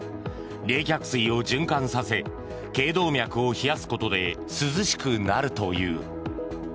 冷却水を循環させ頸動脈を冷やすことで涼しくなるという。